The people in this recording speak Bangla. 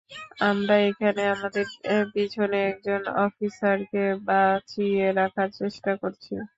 আমরা এখানে আমাদের পিছনে একজন অফিসারকে বাঁচিয়ে রাখার চেষ্টা করছি।